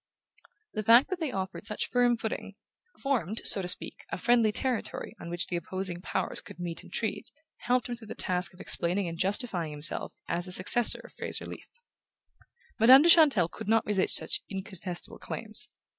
The fact that they offered such firm footing formed, so to speak, a friendly territory on which the opposing powers could meet and treat helped him through the task of explaining and justifying himself as the successor of Fraser Leath. Madame de Chantelle could not resist such incontestable claims.